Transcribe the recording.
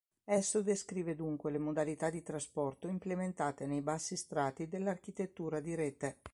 Esso descrive dunque le modalità di "trasporto" implementate nei bassi strati dell'architettura di rete.